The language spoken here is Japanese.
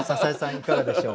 いかがでしょう？